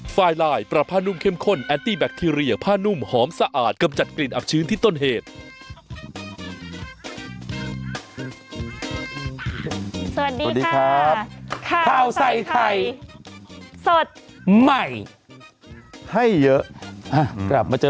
สวัสดีครับข้าวใส่ไข่สดใหม่ให้เยอะอ่ะกลับมาเจอ